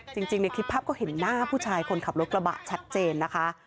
จริงในคลิปภาพก็เห็นหน้าผู้ชายคนขับรถกระบะชัดเจนนะคะ